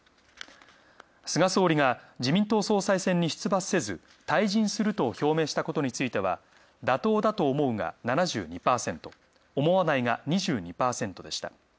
菅総理大臣が自民党総裁選に出馬せず退陣すると表明したことについては、妥当だと思うが７２％、思わないが２２％でした。